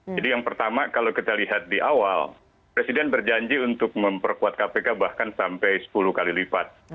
jadi yang pertama kalau kita lihat di awal presiden berjanji untuk memperkuat kpk bahkan sampai sepuluh kali lipat